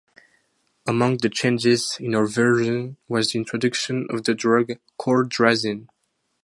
Among the changes in her version was the introduction of the drug cordrazine.